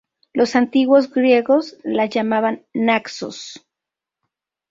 Los antiguos griegos la llamaban "Naxos".